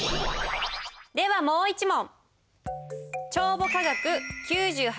ではもう一問。